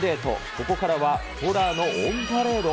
ここからは、ホラーのオンパレード？